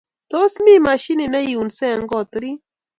Tos mi mashinit ne iunsei eng got orit